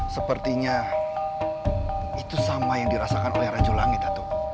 sepertinya itu sama yang dirasakan oleh raja langit datuk